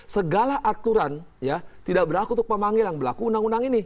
segala aturan tidak berlaku untuk pemanggil yang berlaku undang undang ini